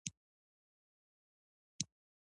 د اقتصادي پراختیا په موخه د لاسرسي مخه ونیول شي.